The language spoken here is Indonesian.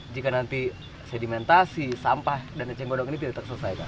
jika nanti sedimentasi sampah dan eceng gondong ini tidak terselesaikan